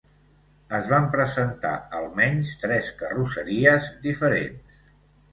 Es van presentar almenys tres carrosseries diferents.